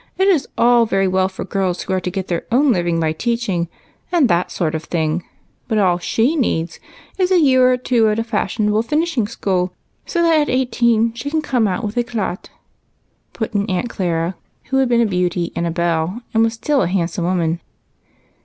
It is all very well for girls wdio are to get their own living by teaching, and that sort of thing ; but all she needs is a year or two at a fashionable finishing school, so that at eighteen she can come out with edat^'' put in Aunt Clara, who had been a beauty and a belle, and was still a handsome woman.